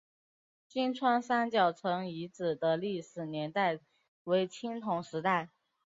金川三角城遗址的历史年代为青铜时代。